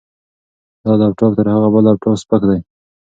دا لپټاپ تر هغه بل لپټاپ سپک دی.